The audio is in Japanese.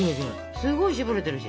すごい絞れてるし。